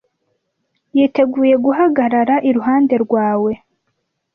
Yiteguye guhagarara iruhande rwawe.